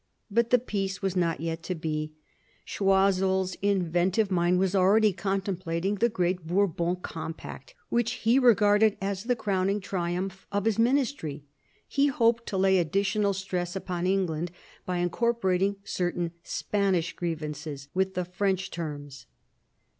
But the peace was not yet to be. Choiseul's inventive N 178 MARIA THERESA chap, viii mind was already contemplating the great Bourbon compact, which he regarded as the crowning triumph of his ministry. He hoped to lay additional stress upon England by incorporating certain Spanish grievances with the French terms.